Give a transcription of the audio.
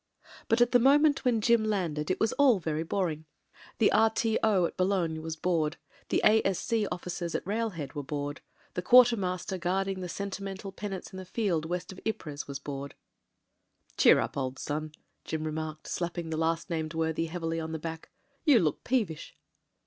But at the moment when Jim landed it was all very boring. The R.T.O. at Boulogne was bored; the A.S.C officers at railhead were bored; the quarter master guarding the regimental penates in a field west of Ypres was bored. "Cheer up, old son," Jim remarked, slapping the last named worthy heavily on the back. "You look peevish."